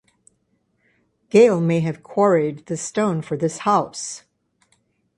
Gale may have quarried the stone for this house.